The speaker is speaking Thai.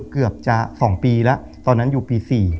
เกือบจะ๒ปีแล้วตอนนั้นอยู่ปี๔